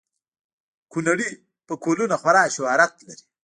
کونړي فکولونه خورا شهرت لري